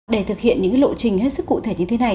để thực hiện những lộ trình hết sức cụ thể như thế này